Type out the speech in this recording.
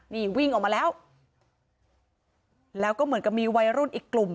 นี่วิ่งออกมาแล้วแล้วก็เหมือนกับมีวัยรุ่นอีกกลุ่ม